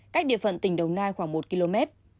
cách địa phận tỉnh đồng nai khoảng một km